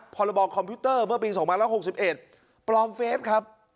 พรบคอมพิวเตอร์เมื่อปีสองมารับหกสิบเอ็ดปลอมเฟซครับ